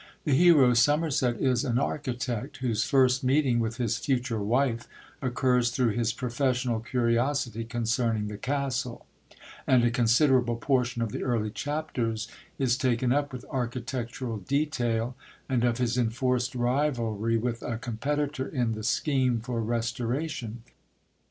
The hero, Somerset, is an architect whose first meeting with his future wife occurs through his professional curiosity concerning the castle; and a considerable portion of the early chapters is taken up with architectural detail, and of his enforced rivalry with a competitor in the scheme for restoration.